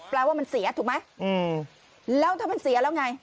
แปลว่ามันเสียถูกไหมแล้วถ้ามันเสียแล้วไง